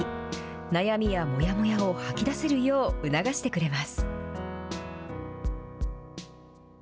悩みやもやもやを吐き出せるよう促してくれます。